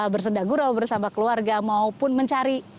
bersendagurau bersama keluarga maupun mencari